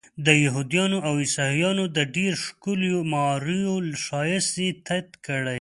د یهودانو او عیسویانو د ډېرو ښکلیو معماریو ښایست یې تت کړی.